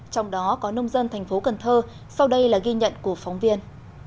trong đó có nông dân thành phố cần thơ sau đây là ghi nhận của phóng viên